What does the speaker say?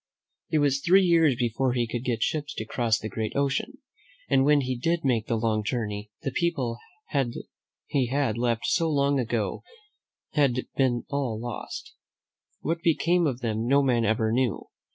It was three years before he could get ships to cross the great ocean, and when he did make the long journey, the people he had left so long ago had all been lost. What became of them no man ever knew.